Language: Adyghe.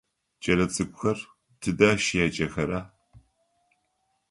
Кӏэлэцӏыкӏухэр тыдэ щеджэхэра?